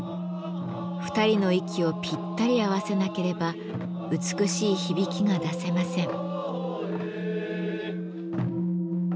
２人の息をぴったり合わせなければ美しい響きが出せません。